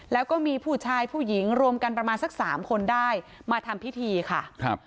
แล้วก็มีผู้ชายผู้หญิงรวมกันประมาณสักสามคนได้มาทำพิธีค่ะครับ